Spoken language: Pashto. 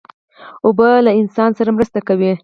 اوبه له انسان سره مرسته کوي.